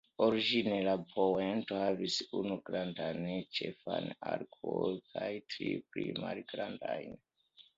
Origine la ponto havis unu grandan ĉefan arkon kaj tri pli malgrandajn.